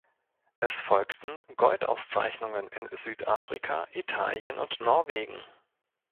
Es folgten Goldauszeichnungen in Südafrika, Italien und Norwegen.